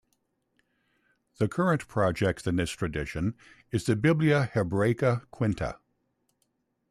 The current project in this tradition is the "Biblia Hebraica Quinta".